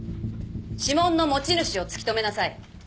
指紋の持ち主を突き止めなさい。